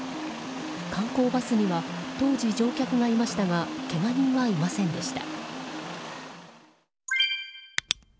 観光バスには当時、乗客がいましたがけが人はいませんでした。